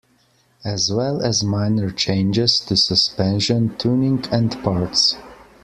As well as minor changes to suspension tuning and parts.